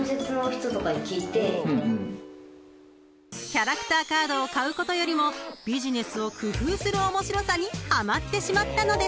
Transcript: ［キャラクターカードを買うことよりもビジネスを工夫する面白さにはまってしまったのでした］